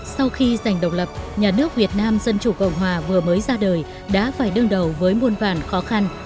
sau khi giành độc lập nhà nước việt nam dân chủ cộng hòa vừa mới ra đời đã phải đương đầu với muôn vàn khó khăn